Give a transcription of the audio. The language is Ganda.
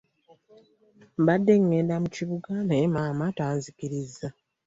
Mbadde ngenda mu kibuga naye maama tanzikiriza.